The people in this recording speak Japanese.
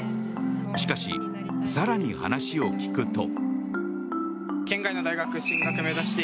しかし、更に話を聞くと。